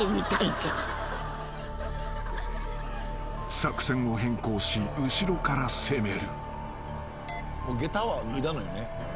［作戦を変更し後ろから攻める］